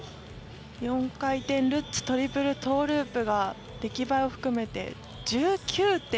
４回転ルッツトリプルトーループが出来栄えを含めて、１９．９０。